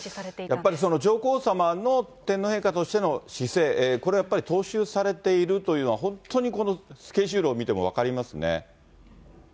やっぱりその、上皇さまの天皇陛下としての姿勢、これはやっぱり踏襲されているというのは、本当にスケジュールを見ても分かりますね。